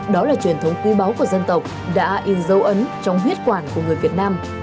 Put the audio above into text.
đó là truyền thống quý báu của dân tộc đã in dấu ấn trong huyết quản của người việt nam